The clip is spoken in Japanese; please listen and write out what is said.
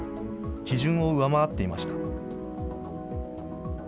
基準を上回っていました。